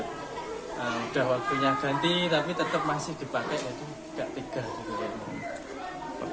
udah waktunya ganti tapi tetap masih dipakai itu gak tega